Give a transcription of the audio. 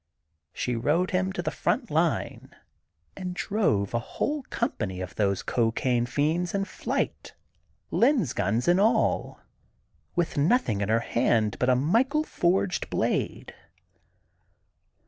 .She rode him to the front line and drove a whole company of those cocaine fiends in flight, lens guns and all, with nothing in her hand but her Michael forged blade.